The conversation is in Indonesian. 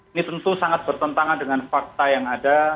ini tentu sangat bertentangan dengan fakta yang ada